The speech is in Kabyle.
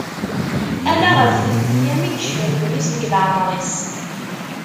Ala ɣef telt-yyam i yecfa Lewnis deg leɛmer-is.